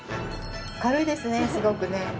軽いですねすごくね。